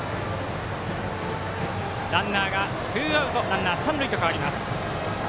ツーアウト、ランナー、三塁と変わります。